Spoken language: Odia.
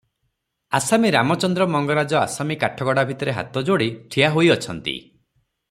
ଆସାମୀ ରାମଚନ୍ଦ୍ର ମଙ୍ଗରାଜ ଆସାମୀ କାଠଗଡ଼ା ଭିତରେ ହାତ ଯୋଡ଼ି ଠିଆ ହୋଇଅଛନ୍ତି ।